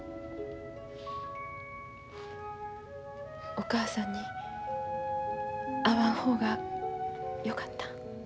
お母さんに会わん方がよかった？